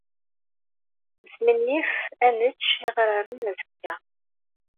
Nesmenyif ad nečč iɣraren azekka.